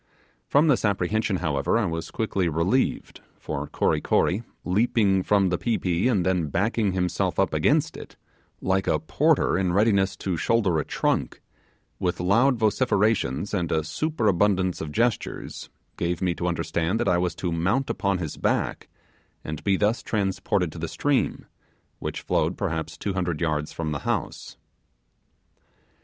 From this apprehension, however, I was quickly relieved; for Kory Kory, leaping from the pi pi, and then backing himself up against it, like a porter in readiness to shoulder a trunk, with loud vociferations and a superabundance of gestures, gave me to understand that I was to mount upon his back and be thus transported to the stream, which flowed perhaps two hundred yards from the house.